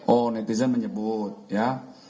oh netizen menyebut ya